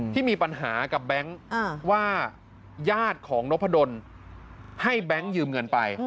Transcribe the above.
ที่มีปัญหากับแบงค์ว่าญาติของนพดลให้แบงค์ยืมเงินไป